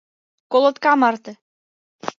Колотка марте.